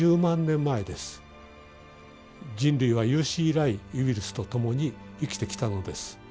人類は有史以来ウイルスと共に生きてきたのです。